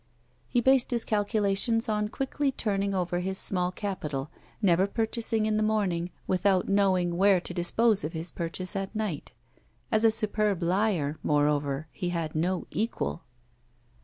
He based his calculations on quickly turning over his small capital, never purchasing in the morning without knowing where to dispose of his purchase at night. As a superb liar, moreover, he had no equal.